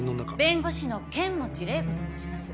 弁護士の剣持麗子と申します。